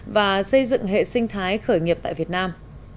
và xây dựng hệ sinh thái khởi nghiệp tại việt nam